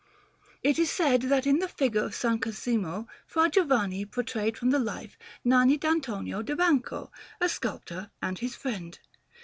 It is said that in the figure of S. Cosimo Fra Giovanni portrayed from the life Nanni d' Antonio di Banco, a sculptor and his friend.